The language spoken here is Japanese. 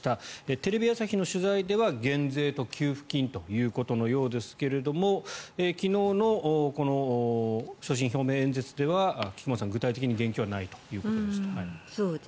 テレビ朝日の取材では減税と給付金ということのようですが昨日の所信表明演説では菊間さん、具体的に言及はないということでした。